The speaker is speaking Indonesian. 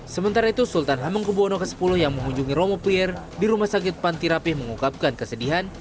sementara itu sultan hamengkebuono x yang mengunjungi romo pier di rumah sakit pantirapih mengungkapkan kesedihan